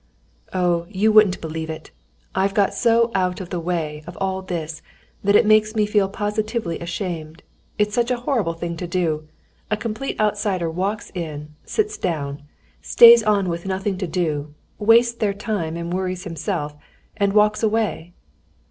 "Oh, you wouldn't believe it! I've got so out of the way of all this that it makes me feel positively ashamed. It's such a horrible thing to do! A complete outsider walks in, sits down, stays on with nothing to do, wastes their time and worries himself, and walks away!"